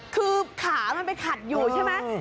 คือขามันไปขัดอยู่ใช่ไหม